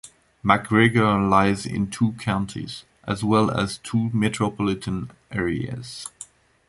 McGregor lies in two counties, as well as two metropolitan areas.